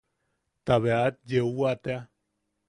Ta bea at yeuwa tea.